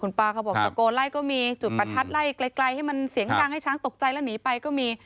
ป้าเขาบอกตะโกนไล่ก็มีจุดประทัดไล่ไกลให้มันเสียงดังให้ช้างตกใจแล้วหนีไปก็มี